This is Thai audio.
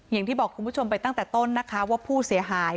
อย่างที่บอกคุณผู้ชมไปตั้งแต่ต้นนะคะว่าผู้เสียหาย